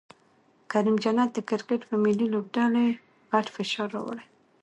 کریم جنت د کرکټ په ملي لوبډلې غټ فشار راوړي